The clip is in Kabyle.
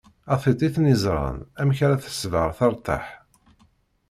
A tiṭ i ten-iẓran, amek ara tesber tertaḥ?